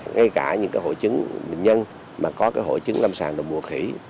ngay cả những hội chứng bệnh nhân mà có hội chứng lâm sàng đồng mùa khỉ